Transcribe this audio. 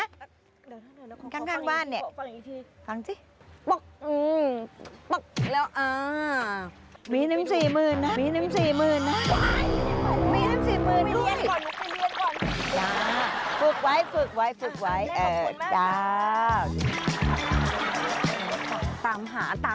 ข้างบ้านนี่ฟังสิปุ๊บอืมปุ๊บแล้วอ่า